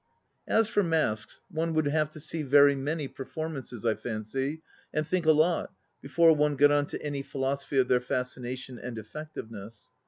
"As for masks, one would have to see very many performances, I fancy, and think a lot, before one got on to any philosophy of their fascination and effectiveness.